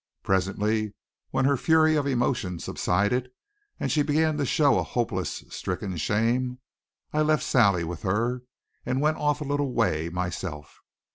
Presently, when her fury of emotion subsided, and she began to show a hopeless stricken shame, I left Sally with her and went off a little way myself.